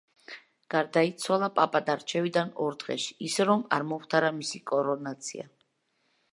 გარდაიცვალა პაპად არჩევიდან ორ დღეში, ისე რომ არ მომხდარა მისი კორონაცია.